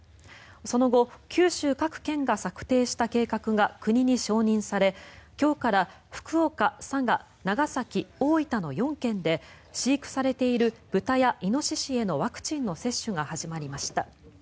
その後九州各県が策定した計画が国に承認され、今日から福岡、佐賀、長崎、大分の４県で飼育されている豚やイノシシへのワクチンの接種が始まりました。